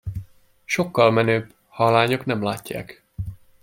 Sokkal menőbb, ha lányok nem látják.